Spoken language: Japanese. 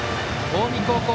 近江高校